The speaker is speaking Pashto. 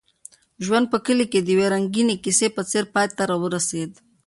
ژوند په کلي کې د یوې رنګینې کیسې په څېر پای ته ورسېد.